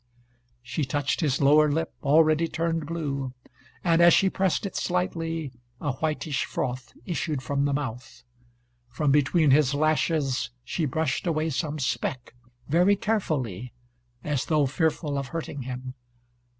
She touched his lower lip, already turned blue; and as she pressed it slightly, a whitish froth issued from the mouth. From between his lashes she brushed away some speck, very carefully, as though fearful of hurting him.